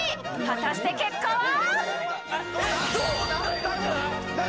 果たして結果は？